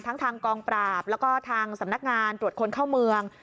ทั้งทางกองปราบแล้วก็ทางสำนักงานตรวจคนเข้าเมือง